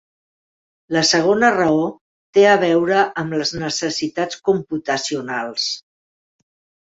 La segona raó té a veure amb les necessitats computacionals.